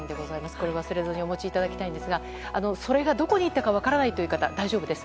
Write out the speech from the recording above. これを忘れずにお持ちいただきたいんですがどこに行ったか分からないという方、大丈夫です。